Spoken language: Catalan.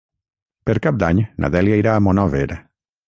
Per Cap d'Any na Dèlia irà a Monòver.